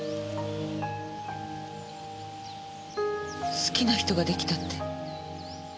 好きな人が出来たって。